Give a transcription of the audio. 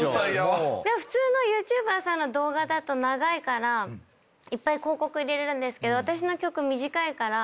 普通のＹｏｕＴｕｂｅｒさんの動画だと長いからいっぱい広告入れれるんですけど私の曲短いから。